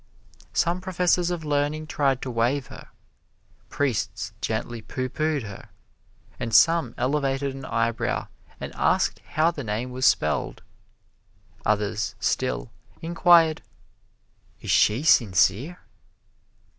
Some professors of learning tried to waive her; priests gently pooh poohed her; and some elevated an eyebrow and asked how the name was spelled. Others, still, inquired, "Is she sincere?"